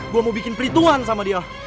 gue mau bikin pelituan sama dia